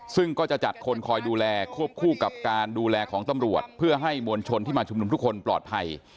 ซึ่งก็จะจัดคนคอยดูแลควบคู่กับการดูแลของตำรวจเพื่อให้มวลชนที่มาชุมนุมทุกคนปลอดภัย